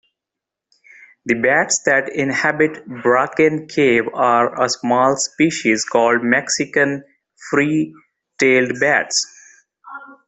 The bats that inhabit Bracken Cave are a small species called Mexican free-tailed bats.